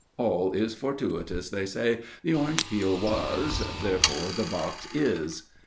All is fortuitous, they say. The orange peel was ; therefore the box is